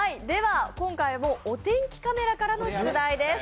今回もお天気カメラからの出題です。